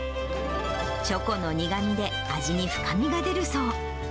チョコの苦みで味に深みが出るそう。